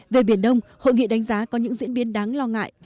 về biển đông hội nghị đánh giá có những diễn biến đáng lo ngại